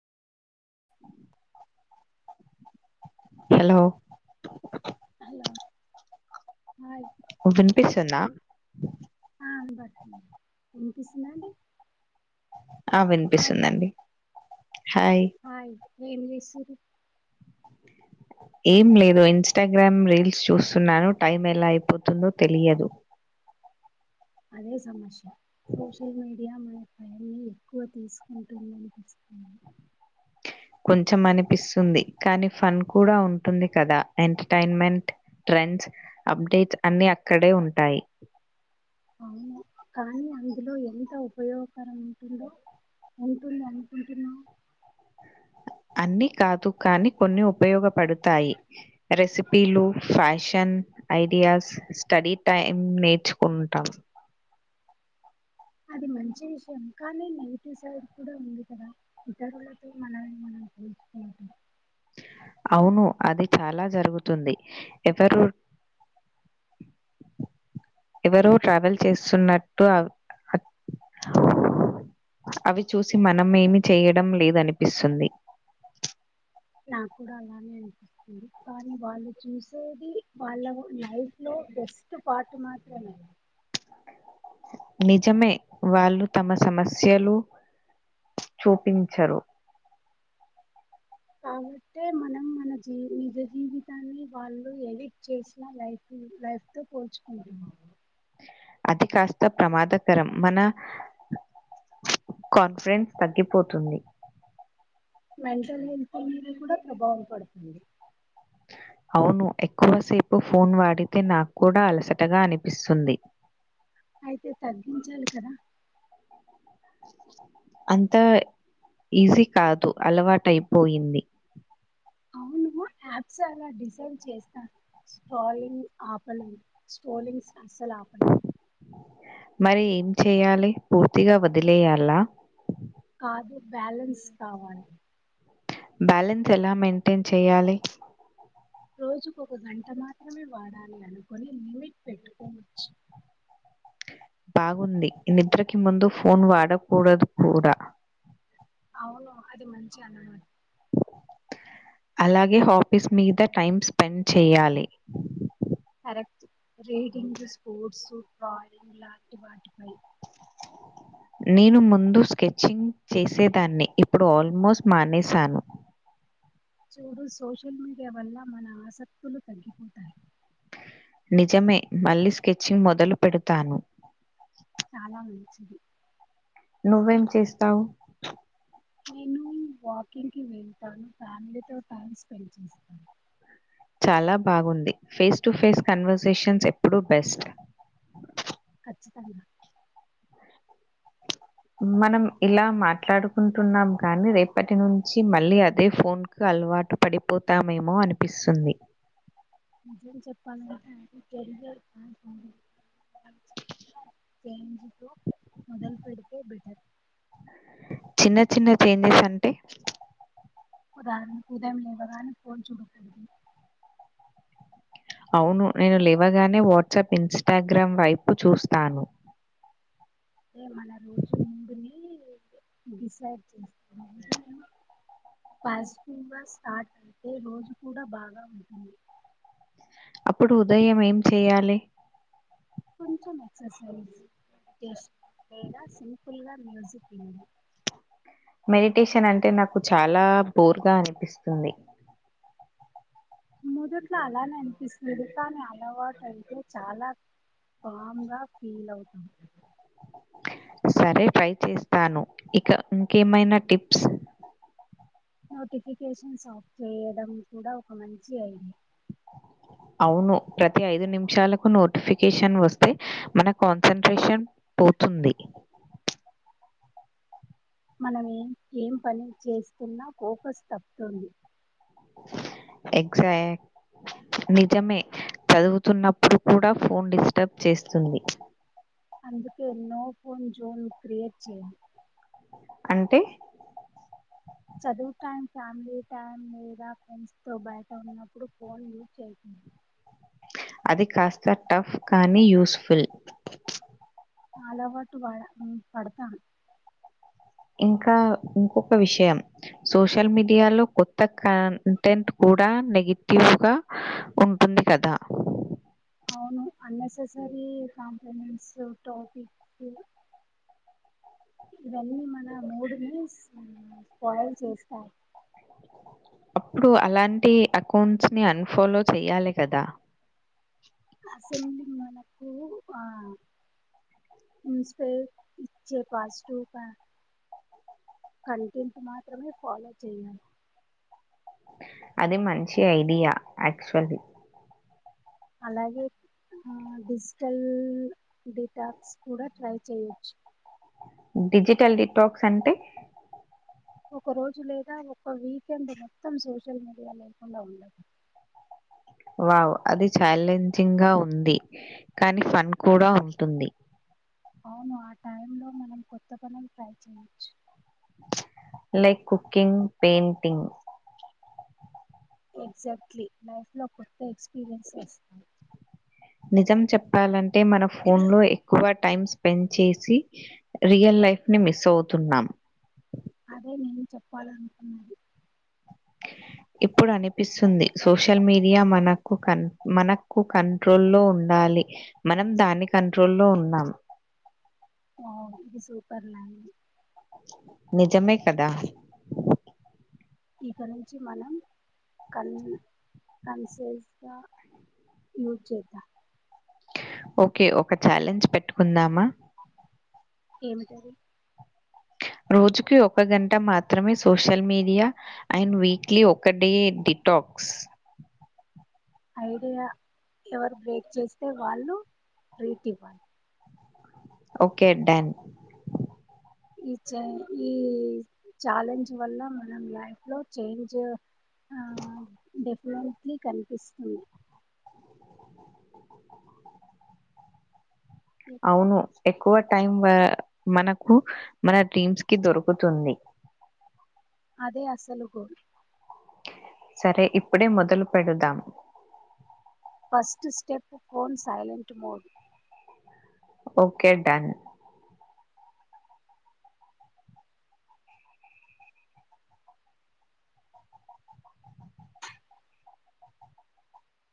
Hello hello hi విన్పిస్తుందా ఆ వినబడుతుంది. విన్పిస్తుందా అండి. ఆ హాయ్ వినిపిస్తుందండి. హాయ్ ఏం చేసుర్రు ఏం లేదు ఇన్స్టాగ్రామ్ రీల్స్ చూస్తున్నాను టైం ఎలా అయిపోతుందో తెలియదు అదే సమష్ సోషల్ మీడియా మ అవన్ని ఎక్కువ తీసుకుంటుందనిపిస్తుంది కొంచెం అనిపిస్తుంది కానీ ఫన్ కూడా ఉంటుంది కదా ఎంటర్టైన్మెంట్ ట్రెండ్స్ అప్డేట్స్ అన్ని అక్కడే ఉంటాయి అవును కానీ అందులో ఎంత ఉపయోగకరం ఉంటుందో ఉంటుంది అనుకుంటున్నావ్ అన్ని కాదు కానీ కొన్ని ఉపయోగ పడుతాయి రెసిపీలు ఫ్యాషన్ ఐడియాస్ స్టడీ టైం నేర్చుకుంటాం అది మంచి విషయం కానీ నెగిటివ్ సైడ్ కూడా ఉంది కదా ఇతరులతో మనల్ని మనం పోల్చుకుంటాం అవును అది చాలా జరుగుతుంది ఎవరు ఎవరో ట్రావెల్ చేస్తున్నట్టు అ అవి చూసి మనం ఏమి చేయడం లేదనిపిస్తుంది నాకు కూడా అలానే అన్పిస్తుంది కానీ వాళ్ళు చూసేది వాళ్ళ లైఫ్ లో బెస్ట్ పార్ట్ మాత్రమే నిజమే వాళ్ళు తమ సమస్యలు చూపించరు కాబట్టే మనం మన జీ నిజ జీవితాన్ని వాళ్ళు ఎడిట్ చేసిన లైఫు లైఫ్ తో పోల్చుకుంటాం అది కాస్త ప్రమాదకరం మన కాన్ఫిడెన్స్ తగ్గిపోతుంది మెంటల్ హెల్త్ పైనిది కూడా ప్రభావ పడుతుంది అవును ఎక్కువసేపు ఫోన్ వాడితే నాకు కూడా అలసటగా అనిపిస్తుంది అయితే తగ్గించాలి కదా అంతా ఈజీ కాదు అలవాటైపోయింది అవును యాప్స్ అలా డిజైన్ చేస్తారు స్ట్రోలింగ్ ఆపలేం స్ట్రోలింగ్స్ అస్సలు ఆపలేం మరి ఏం చేయాలి పూర్తిగా వదిలేయాలా కాదు బ్యాలన్స్ కావాలి బ్యాలెన్స్ ఎలా మెయింటైన్ చెయ్యాలి రోజుకు ఒక గంట మాత్రమే వాడాలి అనుకొని లిమిట్ పెట్టుకోవచ్చు బాగుంది నిద్రకి ముందు ఫోన్ వాడకూడదు కూడా అవును అది మంచి అన్నమా అలాగే ఆఫీస్ మీద టైం స్పెండ్ చేయాలి రీడింగ్ స్పోర్ట్స్ [inaudible] లాంటి వాటిపై నేను ముందు స్కెచ్చింగ్ చేసేదాన్ని ఇప్పుడు ఆల్మోస్ట్ మానేశాను చూడు సోషల్ మీడియా వల్ల మన ఆసక్తులు తగ్గిపోతాయి నిజమే మళ్ళీ స్కెచింగ్ మొదలు పెడతాను చాలా మంచిది నువ్వేం చేస్తావు నేను వాకింగ్ వెళ్తాను ఫ్యామిలీతో టైం స్పెండ్ చేస్తాను చాలా బాగుంది ఫేస్ టు ఫేస్ కన్వర్సేషన్స్ ఎప్పుడు బెస్ట్ ఖచ్చితంగా మనం ఇలా మాట్లాడుకుంటున్నాం కాని రేపటి నుంచి మళ్ళీ అదే ఫోన్ కు అలవాటు పడిపోతామేమో అనిపిస్తుంది నిజం చెప్పాలంటే [unintelligible] మొదలు పెడితే బెటర్ చిన్న చిన్న చేంజెస్ అంటే ఉదాహరణకు ఉదయం లేవగానే ఫోన్ చూడకూడదు అవును నేను లేవగానే వాట్సాప్ ఇన్స్టాగ్రామ్ వైపు చూస్తాను అంటే మన రోజు ముందుని డిసైడ్ చేస్తారు పాజిటివ్ గా స్టార్ట్ అయితే రోజు కూడా బాగా ఉంటుంది అప్పుడు ఉదయం ఏం చెయ్యాలి కొంచెం ఎక్సర్సైజ్ మెడిటేషన్ లేదా సింపుల్గా మ్యూజిక్ వినడం మెడిటేషన్ అంటే నాకు చాలా బోర్ గా అనిపిస్తుంది మొదట్లో అలానే అనిపిస్తుంది కాని అలవాటు అయితే చాలా పామ్ గా ఫీల్ అవుతాం సరే ట్రై చేస్తాను ఇక ఇంకేమైనా టిప్స్ నోటిఫికేషన్స్ ఆఫ్ చేయడం కూడా ఒక మంచి ఐడియా అవును ప్రతి ఐదు నిమిషాలకు నోటిఫికేషన్ వస్తే మన కాన్సన్ట్రేషన్ పోతుంది మనం ఏం పని చేస్తున్నా ఫోకస్ తప్పుతుంది ఎగ్జాక్ట్ నిజమే చదువుతున్నప్పుడు కూడా ఫోన్ డిస్టర్బ్ చేస్తుంది అందుకే నో ఫోన్ జోన్ క్రియేట్ చేయను అంటే చదువు టైం ఫ్యామిలీ టైం లేదా ఫ్రెండ్స్ తో బయట ఉన్నప్పుడు ఫోన్ యూజ్ చేయకూడదు అది కాస్త టఫ్ కానీ యూజ్ఫుల్ అలవాటు పడ పడతాం ఇంకా ఇంకొక విషయం సోషల్ మీడియాలో కొత్త కంటెంట్ కూడా నెగిటివ్ ఉంటుంది కదా అవును అన్నెసెసరీ కాంప్లిమెంట్స్ టాపిక్ ఇవన్నీ మన మూడుని స్పాయిల్ చేస్తాయి అప్పుడు అలాంటి అకౌంట్స్ ని అన్ఫాలో చెయ్యాలి కదా అసెంబ్లి మనకు ఆ ఇన్స్పైర్ ఇచ్చే పాజిటివ్ కంటెంట్ మాత్రమే ఫాలో చేయాలి అది మంచి ఐడియా యాక్చువల్లీ అలాగే డిజిటల్ డేటాస్ కూడా ట్రై చేయొచ్చు డిజిటల్ డిక్ టాక్స్ అంటే ఒక రోజు లేదా ఒక వీకెండ్ మొత్తం సోషల్ మీడియా లేకుండా ఉండడం వావ్ అది ఛాలెంజింగ్ గా ఉంది కానీ ఫన్ కూడా ఉంటుంది అవును ఆ టైంలో మనం కొత్త పనులు ట్రై చేయొచ్చు like cooking painting exactly life లో కొత్త ఎక్స్పీరియన్స్ వస్తాయి నిజం చెప్పాలం అంటే మన ఫోన్ లో ఎక్కువ టైమ్ స్పెండ్ చేసి రియల్ లైఫ్ ని మిస్ అవుతున్నాం అదే నేను చెప్పాలనుకున్నది ఇప్పుడు అనిపిస్తుంది సోషల్ మీడియా మనకు క మనకు కంట్రోల్ లో ఉండాలి మనం దాన్ని కంట్రో లో ఉన్నాం ఓ ఇది సూపర్ల నిజమే కదా ఇక నుంచి మనం కన్ కన్సెల్ఫ్ గా యూజ్ చేద్దా ఓకే ఒక ఛాలెంజ్ పెట్టుకుందామా ఏమిటది రోజుకి ఒక గంట మాత్రమే సోషల్ మీడియా అండ్ వీక్లీ ఒక డే డిటాక్స్ ఐడియా ఎవరు బ్రేక్ చేస్తే వాళ్ళు ట్రీట్ ఇవ్వాలి ఓకే డన్ ఈ చే ఈ ఛాలెంజ్ వల్ల మనం లైఫ్ లో చేంజ్ డెఫెనెట్లీ కన్పిస్తుంది అవును ఎక్కువ టైం మనకు మన డ్రీమ్స్ కి దొరుకుతుంది అదే అసలుకు సరే ఇప్పుడే మొదలు పెడదాం first step phone silent mode okay done